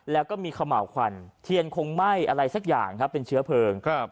แล้วก็มีเขม่าวควันเทียนคงไหม้อะไรสักอย่างครับเป็นเชื้อเพลิงครับ